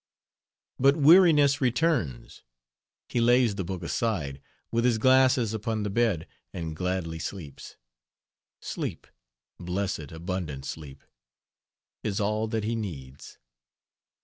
But weariness returns; He lays the book aside With his glasses upon the bed, And gladly sleeps. Sleep, Blessed abundant sleep, Is all that he needs.